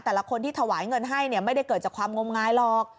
แต่ละคนที่ถวายเงินให้เนี่ยไม่ได้เกิดจากความงมงายหรอก